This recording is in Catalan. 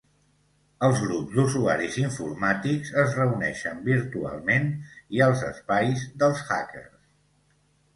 Els grups d"usuaris informàtics es reuneixen virtualment i als espais dels hackers.